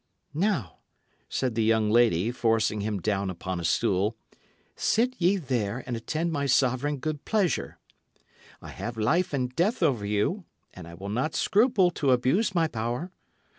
"Now," said the young lady, forcing him down upon a stool, "sit ye there and attend my sovereign good pleasure. I have life and death over you, and I will not scruple to abuse my power.